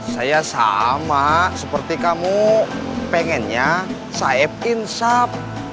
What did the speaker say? saya sama seperti kamu pengennya saeb insap